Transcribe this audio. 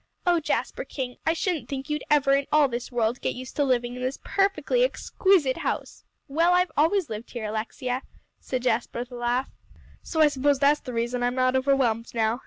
"Oh, Jasper King, I shouldn't think you'd ever in all this world get used to living in this perfectly exquisite house." "Well, I've always lived here, Alexia," said Jasper with a laugh, "so I suppose that is the reason I'm not overwhelmed now.